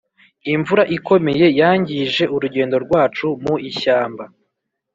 imvura ikomeye yangije urugendo rwacu mu ishyamba.